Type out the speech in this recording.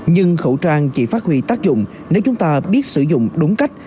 nhưng khẩu trang chỉ phát huy tác dụng nếu chúng ta biết sử dụng đúng cách